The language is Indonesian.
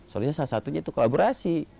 soalnya salah satunya itu kolaborasi